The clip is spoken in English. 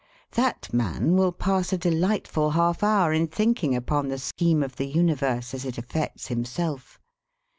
That man will pass a delightful half hour in thinking upon the scheme of the universe as it affects himself.